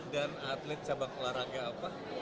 dan atlet sabang olahraga apa